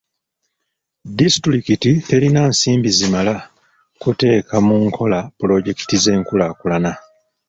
Disitulikiti teyina nsimbi zimala kuteeka mu nkola pulojekiti z'enkulaakulana.